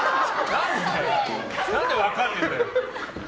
何だよ何で分かんねえんだよ。